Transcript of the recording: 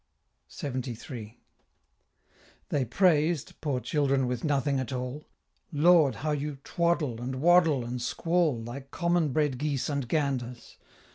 LXXIII. They praised poor children with nothing at all! Lord! how you twaddle and waddle and squall Like common bred geese and ganders!